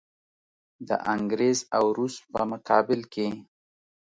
د انګریز او روس په مقابل کې.